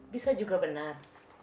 bisa juga benar